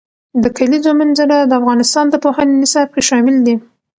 د کلیزو منظره د افغانستان د پوهنې نصاب کې شامل دي.